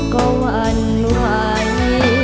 ก็หวั่นไหว